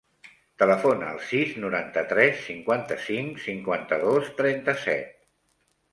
Telefona al sis, noranta-tres, cinquanta-cinc, cinquanta-dos, trenta-set.